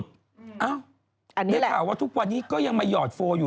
ได้ข่าวว่าทุกวันนี้ก็ยังมาหยอดโฟลอยู่